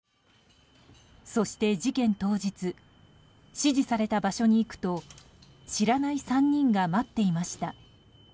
そして事件当日指示された場所に行くと知らない３人が待っていました。